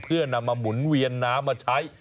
เพื่อนำมาหมุนเวียนน้ำมาใช้